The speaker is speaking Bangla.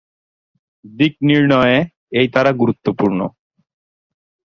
দিক নির্ণয়ে এই তারা গুরুত্বপূর্ণ।